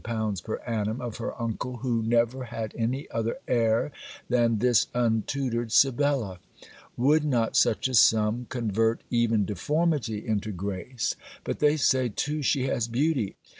per ann. of her uncle who never had any other heir than this untutored Sibella! Would not such a sum convert even deformity into grace? But they say too she has beauty.